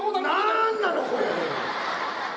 何なのこれ！